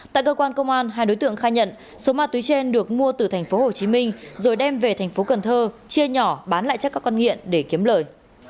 tại cơ quan công an hai đối tượng khai nhận số ma túy trên được mua từ thành phố hồ chí minh rồi đem về thành phố cần thơ chia nhỏ bán lại cho các con nghiện để kiếm lời